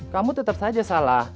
kamu tetap saja salah